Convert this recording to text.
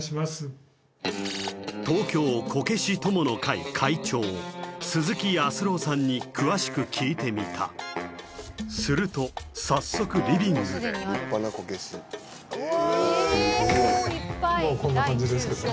東京こけし友の会会長鈴木康郎さんに詳しく聞いてみたすると早速リビングですごいもうこんな感じですけどね